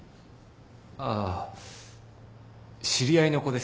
ああ知り合いの子です。